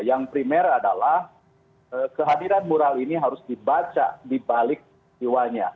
yang primer adalah kehadiran mural ini harus dibaca dibalik jiwanya